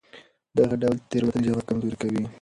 دغه ډول تېروتنې ژبه کمزورې کوي.